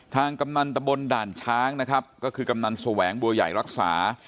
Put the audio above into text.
กำนันตะบนด่านช้างนะครับก็คือกำนันแสวงบัวใหญ่รักษา